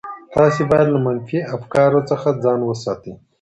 تاسي باید له منفي افکارو څخه ځان وساتئ.